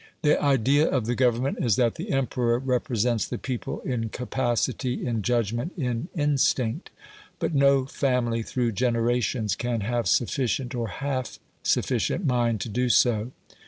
The idea of the Government is that the Emperor represents the people in capacity, in judgment, in instinct. But no family through generations can have sufficient, or half sufficient, mind to do so.